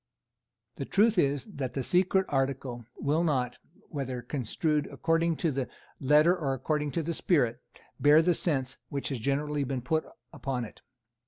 The truth is that the secret article will not, whether construed according to the letter or according to the spirit, bear the sense which has generally been put upon it.